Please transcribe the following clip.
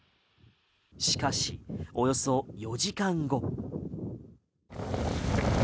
しかし、およそ４時間後。